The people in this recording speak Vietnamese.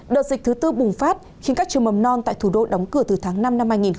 đợt dịch thứ tư bùng phát khiến các trường mầm non tại thủ đô đóng cửa từ tháng năm năm hai nghìn hai mươi